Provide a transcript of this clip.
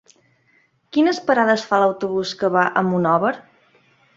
Quines parades fa l'autobús que va a Monòver?